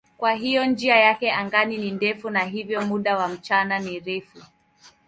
Kwa hiyo njia yake angani ni ndefu na hivyo muda wa mchana ni mrefu.